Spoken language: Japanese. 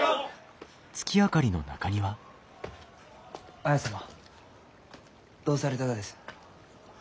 綾様どうされたがです？